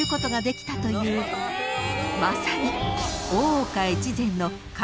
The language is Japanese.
［まさに］